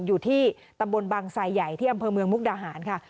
อยู่ที่ตำบลบังไซใหญ่ที่อำเภอเมืองมุกดาหารค่ะ